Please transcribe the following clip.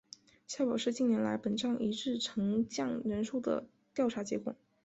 下表是近年来本站一日乘降人数的调查结果。